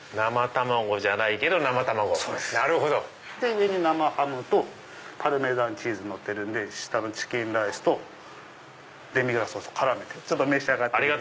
上が生ハムとパルメザンチーズのってるんで下のチキンライスとデミグラスソースと絡めて召し上がってみてください。